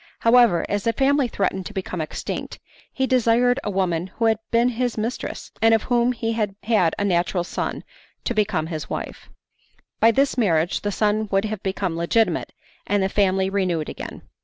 However, as the family threatened to become extinct, he desired a woman who had been his mistress, and of whom he had had a natural son, to become his wife. By this marriage the son would have become legitimate, and the family renewed again.